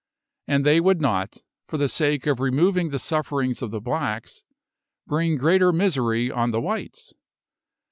And they would not, for the sake of removing the sufferings of the blacks, bring greater misery on the whites.